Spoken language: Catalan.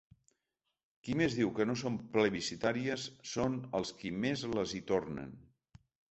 Qui més diu que no són plebiscitàries són els qui més les hi tornen.